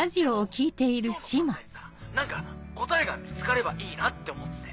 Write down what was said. でも今日の漫才でさ何か答えが見つかればいいなって思ってて。